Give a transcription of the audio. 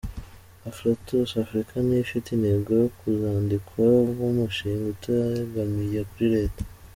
Afflatus Africa ni ifite intego yo kuzandikwa nk’umushinga utegamiye kuri Leta.